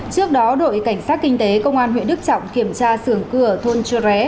trước đó đội cảnh sát kinh tế công an huyện đức trọng kiểm tra sườn cửa thôn chua ré